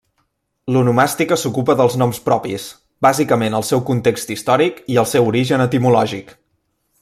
L'onomàstica s'ocupa dels noms propis, bàsicament el seu context històric i el seu origen etimològic.